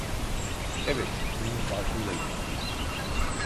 Evet, bunun farkındayım.